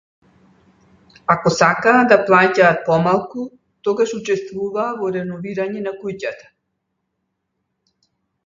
Ако сакаа да плаќаат помалку, тогаш учествуваа во реновирање на куќата.